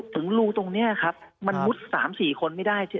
ถึงรูตรงนี้ครับมันมุด๓๔คนไม่ได้